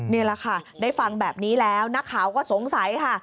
นี่แหละค่ะได้ฟังแบบนี้แล้วนักข่าวก็สงสัยค่ะ